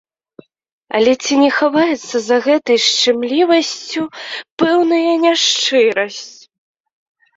Але ці не хаваецца за гэтай шчымлівасцю пэўная няшчырасць?